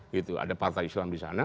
gitu ada partai islam di sana